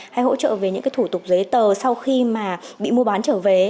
hay hỗ trợ về những cái thủ tục giấy tờ sau khi mà bị mua bán trở về